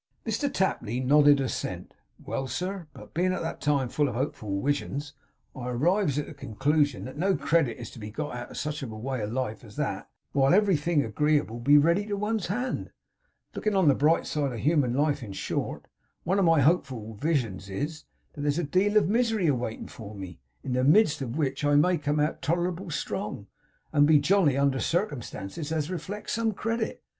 Mr Tapley nodded assent. 'Well, sir! But bein' at that time full of hopeful wisions, I arrives at the conclusion that no credit is to be got out of such a way of life as that, where everything agreeable would be ready to one's hand. Lookin' on the bright side of human life in short, one of my hopeful wisions is, that there's a deal of misery awaitin' for me; in the midst of which I may come out tolerable strong, and be jolly under circumstances as reflects some credit.